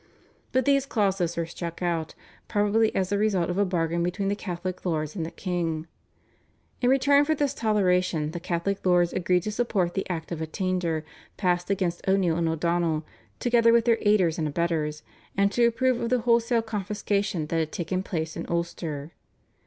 But these clauses were struck out, probably as a result of a bargain between the Catholic lords and the king. In return for this toleration the Catholic lords agreed to support the Act of Attainder passed against O'Neill and O'Donnell, together with their aiders and abettors, and to approve of the wholesale confiscation that had taken place in Ulster.